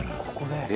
「ここで」